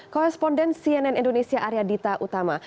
koesponden cnn indonesia area dita utama